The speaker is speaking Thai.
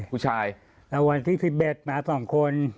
ผู้ชายวันที่๑๑มาสองคน